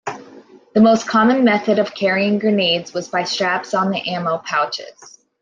The most common method of carrying grenades was by straps on the ammo pouches.